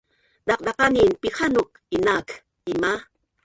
Daqdaqanin pihanuk inaak ima